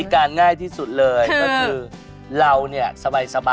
ไม่น่าดูมองไม่ค่อยเห็นอะ